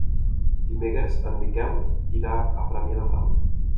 Dimecres en Miquel irà a Premià de Dalt.